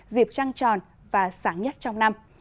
dịp trăng tròn và sáng nhất trong năm